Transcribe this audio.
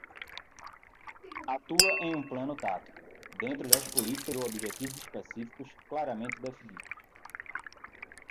Atua em um plano tático, dentro das políticas ou objetivos específicos claramente definidos.